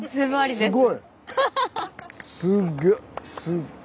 すごい！